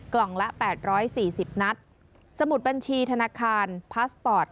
กล่องละแปดร้อยสี่สิบนัดสมุดบัญชีธนาคารพาสปอร์ต